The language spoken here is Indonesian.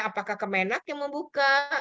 apakah kemenak yang membuka